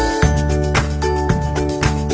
สวัสดีครับ